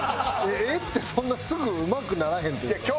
絵ってそんなすぐうまくならへんというか。